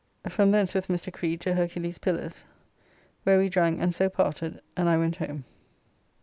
From thence with Mr. Creed to Hercules Pillars, where we drank and so parted, and I went home.